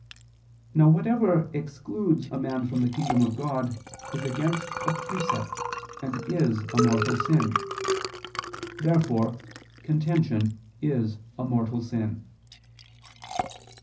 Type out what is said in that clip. Now whatever excludes a man from the kingdom of God and is against a precept, is a mortal sin. Therefore contention is a mortal sin.